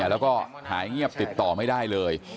แล้วก็หายเงียบติดต่อไม่ได้เลย